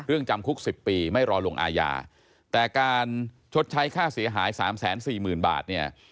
เรื่องจำคุก๑๐ปีไม่รอลงอาญาแต่การชดใช้ค่าเสียหาย๓๔๐๐๐๐บาทเนี่ย